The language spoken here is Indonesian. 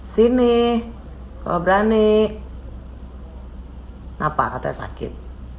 sini kalau berani kenapa katanya sakit